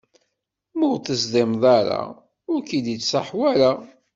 Ma ur teẓdimeḍ ara, ur k-id-ittṣaḥ wara.